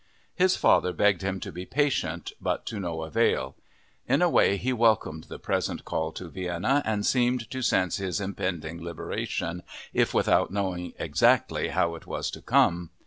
His father begged him to be patient, but to no avail. In a way he welcomed the present call to Vienna and seemed to sense his impending liberation, if without knowing exactly how it was to come.